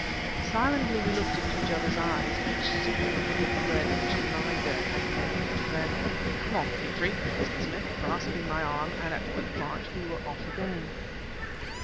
Silently we looked into one another's eyes, each seeking for the dread which neither had named. Then: "Come on Petrie!" said Smith, grasping my arm; and at quick march we were off again.